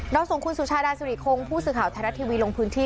ส่งคุณสุชาดาสุริคงผู้สื่อข่าวไทยรัฐทีวีลงพื้นที่